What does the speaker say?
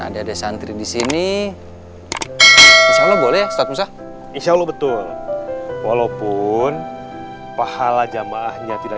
adik adik santri di sini kalau boleh stok bisa insya allah betul walaupun pahala jamaahnya tidak